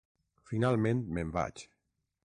Finalment me'n vaig.